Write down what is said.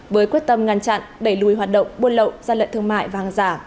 với quyết tâm ngăn chặn đẩy lùi hoạt động buôn lậu gian lận thương mại và hàng giả